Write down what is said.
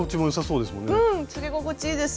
うんつけ心地いいです。